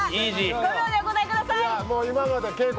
５秒でお答えください。